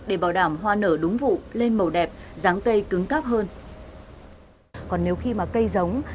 để bảo đảm hoa nở đúng vụ lên màu đẹp dáng tây cứng cắp hơn